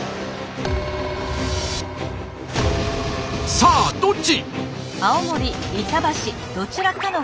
さあどっち？